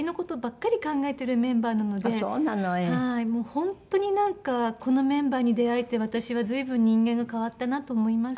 本当になんかこのメンバーに出会えて私は随分人間が変わったなと思います。